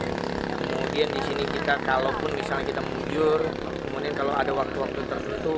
kemudian di sini kita kalaupun misalnya kita mundur kemudian kalau ada waktu waktu tertentu